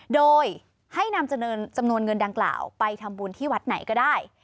โดยให้นำจำนวนเงินดังกล่าวไปทำบุญที่วัดไหนก็ได้